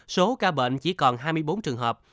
số ca bệnh chỉ còn hai mươi bốn trường hợp